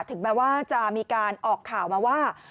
ถึงแม้ว่าจะมีการออกข่าวมาว่า